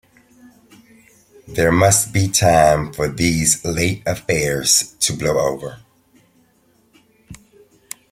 There must be time for these late affairs to blow over.